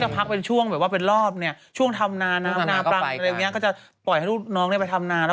พิมพ์ไว้มาเรียนก็พักไปนี้ก็ปล่อยลูกน้องไปทำนา